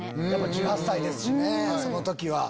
１８歳ですしねその時は。